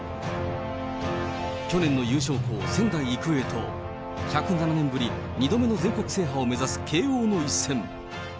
去年の優勝校、仙台育英と、１０７年ぶり２度目の全国制覇を目指す慶応の一戦。